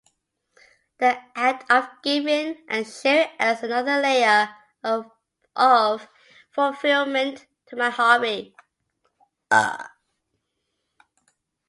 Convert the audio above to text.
The act of giving and sharing adds another layer of fulfillment to my hobby.